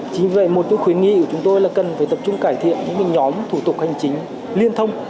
chính vì vậy một cái khuyến nghị của chúng tôi là cần phải tập trung cải thiện những nhóm thủ tục hành chính liên thông